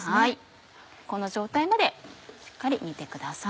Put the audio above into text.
この状態までしっかり煮てください。